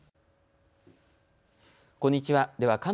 こんにちは。